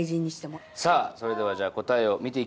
さあそれでは答えを見ていきましょうか。